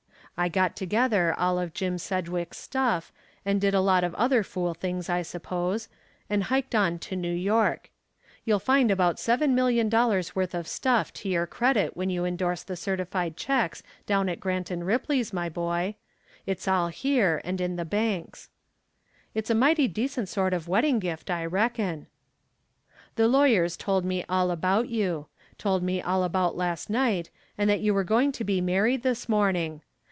I got together all of Jim Sedgwick's stuff and did a lot of other fool things, I suppose, and hiked on to New York. You'll find about seven million dollars' worth of stuff to your credit when you endorse the certified checks down at Grant & Ripley's, my boy. It's all here and in the banks. "It's a mighty decent sort of wedding gift, I reckon. "The lawyers told me all about you. Told me all about last night, and that you were going to be married this morning.